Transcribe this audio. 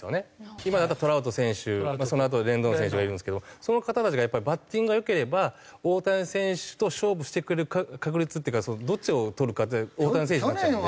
今だったらトラウト選手そのあとにレンドン選手がいるんですけどその方たちがやっぱりバッティングが良ければ大谷選手と勝負してくれる確率っていうかどっちをとるかで大谷選手になっちゃうので。